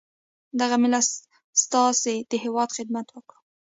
دغه ملت ستاسي د هیواد خدمت وکړو.